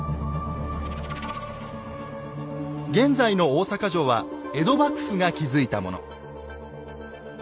現在の大坂城は江戸幕府が築いたもの。